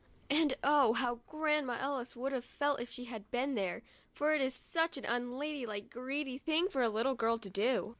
And oh, how Grandma Ellis would have felt if she had been there, for it is such an unladylike greedy thing for a little girl to do